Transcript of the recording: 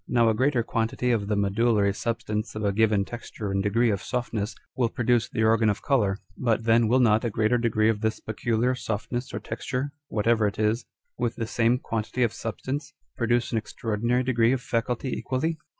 Now a greater quantity of the medullary substanee of a given texture and degree of softness will produce the organ of colour : but then will not a greater degree of this peculiar softness or texture (whatever it is) with the same quantity of substance, produce an extraordinary degree of faculty equally